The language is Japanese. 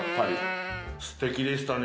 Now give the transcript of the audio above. すてきでしたね